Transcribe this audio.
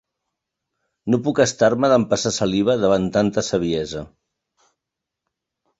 No puc estar-me d'empassar saliva davant de tanta saviesa.